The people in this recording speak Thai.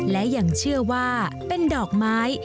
และยังเชื่อว่าเป็นดอกไม้